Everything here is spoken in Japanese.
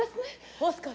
オスカル。